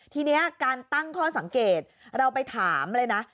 ทีนี้การตั้งข้อสังเกตเราไปถามเลยนะ